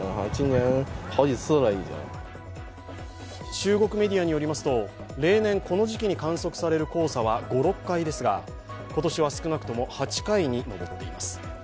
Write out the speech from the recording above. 中国メディアによりますと、例年この時期に観測される黄砂は５６回ですが、今年は少なくとも８回に上っています。